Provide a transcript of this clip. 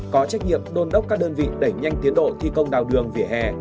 có trách nhiệm đôn đốc các đơn vị đẩy nhanh tiến độ thi công đào đường vỉa hè